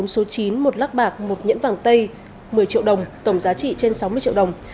bốn số chín một lắc bạc một nhẫn vàng tây một mươi triệu đồng tổng giá trị trên sáu mươi triệu đồng